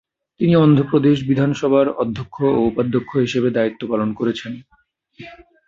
তিনি অন্ধ্রপ্রদেশ বিধানসভার অধ্যক্ষ ও উপাধ্যক্ষ হিসেবে দায়িত্ব পালন করেছেন।